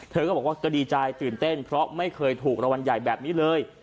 เธอก็บอกว่าก็ดีใจตื่นเต้นเพราะไม่เคยถูกรางวัลใหญ่แบบนี้เลย